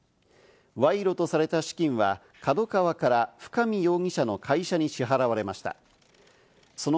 賄賂とされた資金はＫＡＤＯＫＡＷＡから深見容疑者の会社に支払われました。